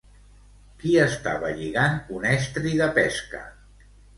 Qui estava lligant un estri de pesca?